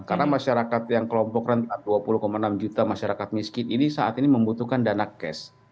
karena masyarakat yang kelompok renta dua puluh enam juta masyarakat miskin ini saat ini membutuhkan dana cash